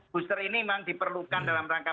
booster ini memang diperlukan dalam rangka